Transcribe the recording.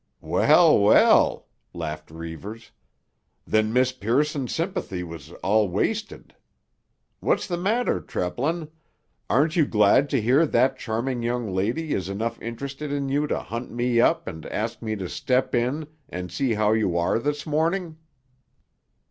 "Well, well!" laughed Reivers. "Then Miss Pearson's sympathy was all wasted. What's the matter, Treplin? Aren't you glad to hear that charming young lady is enough interested in you to hunt me up and ask me to step in and see how you are this morning?"